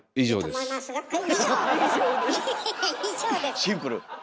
シンプル。